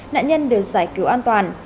nạn nhân được giải cứu an toàn